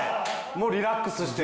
もうリラックスして。